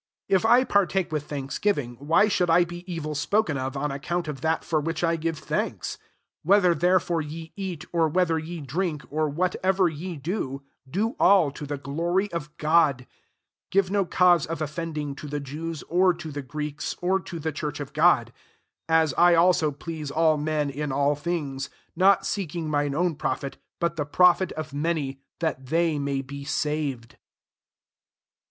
30 If I partake with thanks giving, why should I be evil spoken of on account of that for which I give thanks ? 31 Whether therefore ye eat, or ivhether ye drink, or whatever ^e do, do all to the glory of God. 32 Give no cause of of fending to the Jews, or to the Greeks, or to the church of God: 33 as I also please all men in all things ; not seeking mine own profit, but the firqfit of many, that they may be sav ed.